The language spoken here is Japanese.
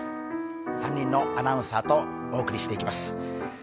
３人のアナウンサーとお送りしていきます。